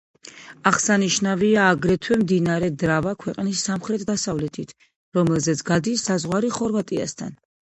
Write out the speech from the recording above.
აღსანიშნავია აგრეთვე მდინარე დრავა ქვეყნის სამხრეთ-დასავლეთით, რომელზეც გადის საზღვარი ხორვატიასთან.